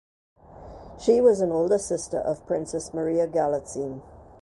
She was an older sister of Princess Maria Galitzine.